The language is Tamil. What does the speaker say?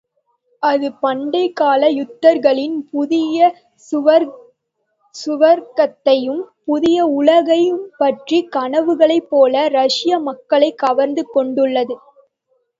அது பண்டைக்கால யூதர்களின் புதிய சுவர்க்கத்தையும் புதிய உலகையும் பற்றி கனவுகளைப் போல ரஷ்ய மக்களைக் கவர்ந்து கொண்டுள்ளது.